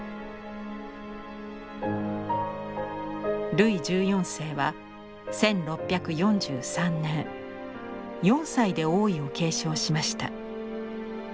ルイ１４世は１６４３年４歳で王位を継承しました。